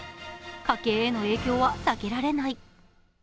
家計への影響は避けられない。